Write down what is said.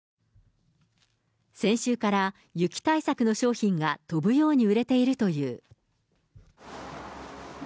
先週から、雪対策の商品が飛ぶように売れているという。